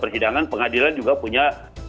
sedangkan pengadilan juga punya